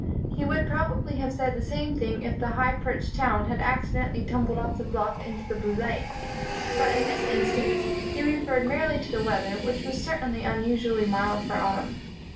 He would probably have said the same thing if the high perched town had accidentally tumbled off the bluff into the blue lake; but in this instance, he referred merely to the weather, which was certainly unusually mild for autumn.